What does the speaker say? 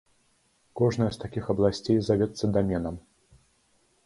Кожная з такіх абласцей завецца даменам.